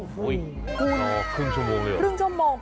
คุณครึ่งชั่วโมงเหรออุ๊ยรอกครึ่งชั่วโมงเหรอ